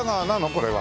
これは。